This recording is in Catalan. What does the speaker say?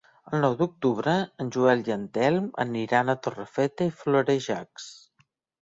El nou d'octubre en Joel i en Telm aniran a Torrefeta i Florejacs.